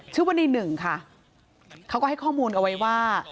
ชื่อว่าในหนึ่งค่ะเขาก็ให้ข้อมูลเอาไว้ว่า